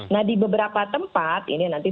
nah di beberapa tempat ini nanti